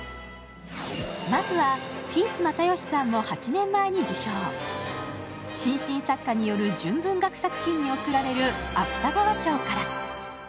まずはピース又吉さんも８年前に受賞、新進作家による純文学作品に贈られる芥川賞から。